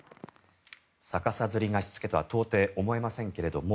逆さづりがしつけとは到底思えませんけれども